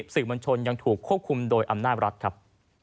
สื่อมวลชนยังถูกควบคุมโดยอำนาจรัฐครับ